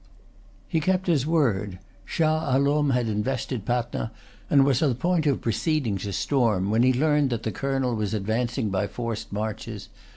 He kept his word. Shah Alum had invested Patna, and was on the point of proceeding to storm, when he learned that the Colonel was advancing by forced marches.